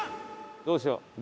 どうしよう？